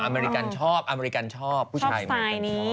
อเมริกันชอบอเมริกันชอบชอบสไตล์นี้